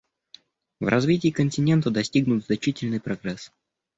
В развитии континента достигнут значительный прогресс.